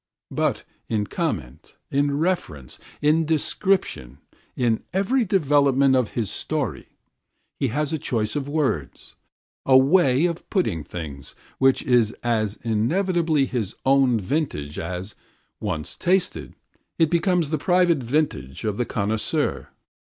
But in comment, in reference, in description, in every development of his story, he has a choice of words, a "way of putting things" which is as inevitably his own vintage as, once tasted, it becomes the private vintage of the connoisseur.